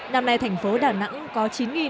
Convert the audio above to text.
năm nay thành phố đà nẵng có chín bốn trăm bốn mươi tám